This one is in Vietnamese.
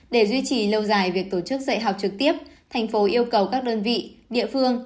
để duy trì lâu dài việc tổ chức dạy học trực tiếp thành phố yêu cầu các đơn vị địa phương